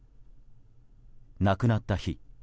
亡くなった日